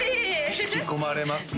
引き込まれますね